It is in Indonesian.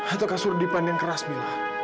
atau kasur dipan yang keras bila